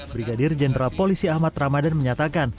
brigadir jenderal polisi ahmad ramadan menyatakan